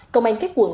công an cát quận